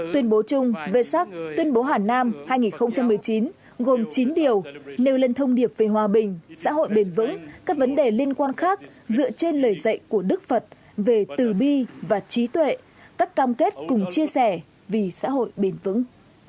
tuyên bố chung về sắc tuyên bố hà nam hai nghìn một mươi chín gồm chín điều nêu lên thông điệp về hòa bình xã hội bền vững các vấn đề liên quan khác dựa trên lời dạy của đức phật về từ bi và trí tuệ các cam kết cùng chia sẻ vì xã hội bền vững